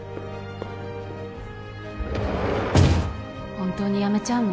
本当にやめちゃうの？